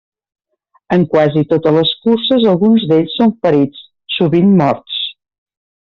En quasi totes les curses alguns d'ells són ferits, sovint morts.